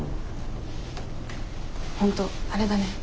本当あれだね